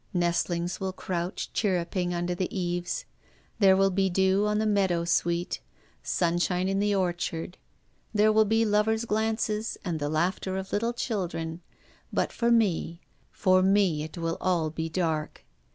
Nestlings will couch, chirruping, under the eaves ; there will be dew on the meadow sweet, sunshine on the orchard ; there will be lovers' glances, and the laughter of little children ; but for me— for me — it will be all dark.